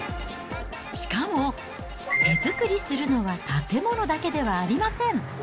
しかも、手作りするのは建物だけではありません。